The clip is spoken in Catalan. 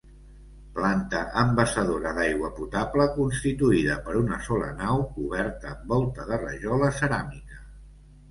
Planta envasadora d'aigua potable constituïda per una sola nau coberta amb volta de rajola ceràmica.